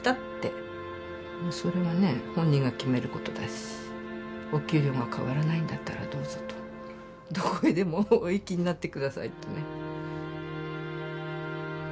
それはね本人が決めることだしお給料が変わらないんだったらどうぞとどこへでもお行きになってくださいとね。